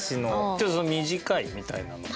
ちょっと短いみたいなのを。